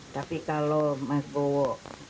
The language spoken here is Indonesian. tapi kalau mas bowo